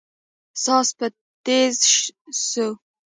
ساز به تېز سو.